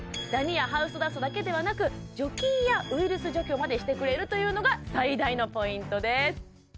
ダニやハウスダストだけではなく除菌やウイルス除去までしてくれるというのが最大のポイントです